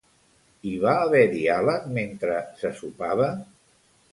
Hi va haver diàleg mentre se sopava?